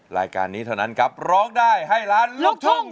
รายการนี้เท่านั้นครับร้องได้ให้ล้านลูกทุ่ง